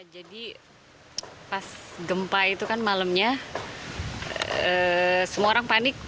jadi pas gempa itu kan malamnya semua orang panik